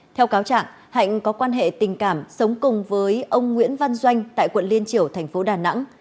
theo cáo trạng hạnh có quan hệ tình cảm sống cùng với ông nguyễn văn doanh tại quận liên triểu thành phố đà nẵng